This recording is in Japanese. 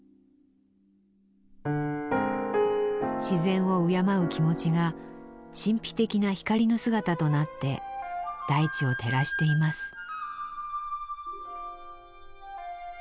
自然を敬う気持ちが神秘的な光の姿となって大地を照らしています。